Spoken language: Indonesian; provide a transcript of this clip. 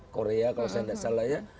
korea kalau saya tidak salah ya